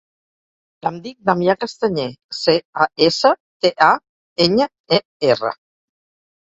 Em dic Damià Castañer: ce, a, essa, te, a, enya, e, erra.